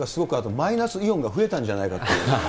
あと、マイナスイオンが増えたんじゃないかっていう。